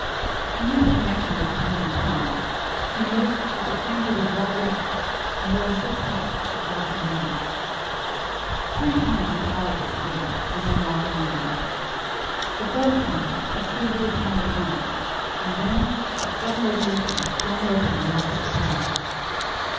In mental connection with the two hundred pounds, she noticed that the stranger was well dressed, and wore a silk hat of glossy newness. Three times he paused at the gate, and then walked on again. The fourth time he stood with his hand upon it, and then with sudden resolution flung it open and walked up the path.